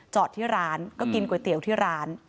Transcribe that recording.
ที่ร้านก็กินก๋วยเตี๋ยวที่ร้าน